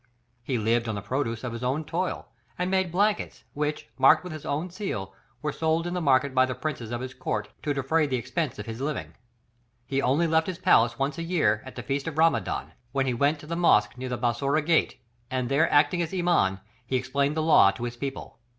He lived on the produce of his own toil, and made blankets, which, marked with his own seal, were sold in the market by the princes of his court, to defray the expense of his living. He only left his palace once a year, at the feast of Ramadan, when he went to the mosque near the Bassorah gate, and there acting as Iman, he explained the law to his people.